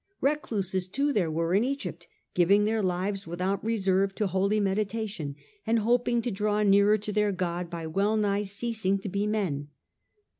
Recluses too there were in Egypt, giving their lives without reserve to holy meditation, and hoping to draw nearer to their God by wellnigh ceasing to be men.